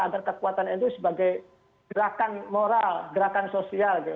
agar kekuatan nu sebagai gerakan moral gerakan sosial